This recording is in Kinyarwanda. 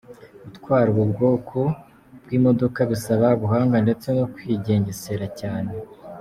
Gutwara ubu bwoko bw’imodoka bisaba ubuhanga ndetse no kwigengesera cyane.